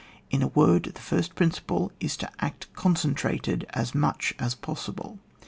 In a word, the first principle is, to act concentrated as much as poesihte.